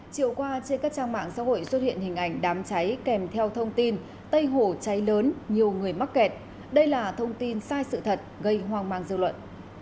chiều qua trên các trang mạng xã hội xuất hiện hình ảnh đám cháy kèm theo thông tin tây hồ cháy lớn nhiều người mắc kẹt đây là thông tin sai sự thật gây hoang mang dư luận